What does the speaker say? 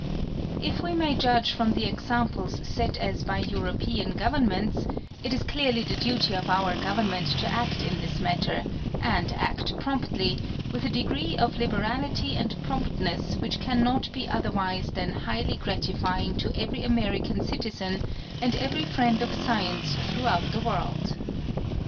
If we may judge from the examples set as by European governments, it is clearly the duty of our Government to act in this matter, and act promptly, with a degree of liberality and promptness which can not be otherwise than highly gratifying to every American citizen and every friend of science throughout the world.